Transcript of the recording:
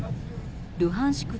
ルハンシク